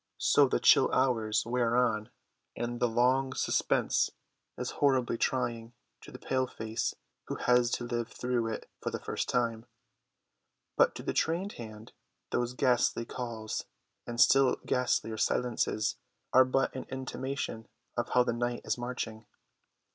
So the chill hours wear on, and the long suspense is horribly trying to the paleface who has to live through it for the first time; but to the trained hand those ghastly calls and still ghastlier silences are but an intimation of how the night is marching.